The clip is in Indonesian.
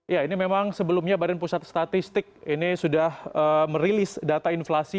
ya ini memang sebelumnya badan pusat statistik ini sudah merilis data inflasi